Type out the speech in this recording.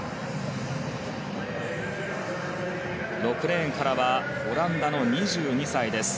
６レーンからはオランダの２２歳です。